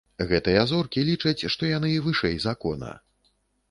Гэтыя зоркі лічаць, што яны вышэй закона.